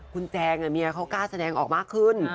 คุณแจงเมียเขากล้าแสดงออกมากขึ้น